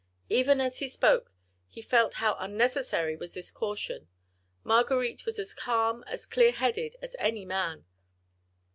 Even as he spoke, he felt how unnecessary was this caution: Marguerite was as calm, as clear headed as any man.